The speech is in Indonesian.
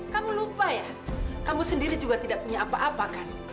kamu lupa ya kamu sendiri juga tidak punya apa apa kan